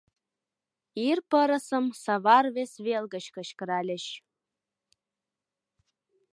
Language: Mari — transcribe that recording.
Ир пырысым савар вес вел гыч кычкыральыч.